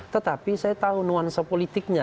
tetapi saya tahu nuansa politiknya